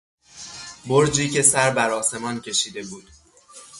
برجی که سر برآسمان کشیده بود